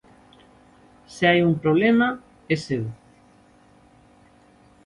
Se hai un problema é seu.